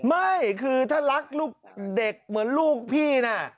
ไม่คือถ้ารักลูกเด็กเหมือนลูกพี่นะ